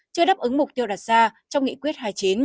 chưa đáp ứng mục tiêu đặt ra trong nghị quyết hai mươi chín